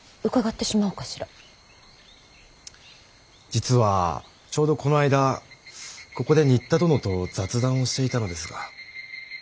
実はちょうどこの間ここで仁田殿と雑談をしていたのですが。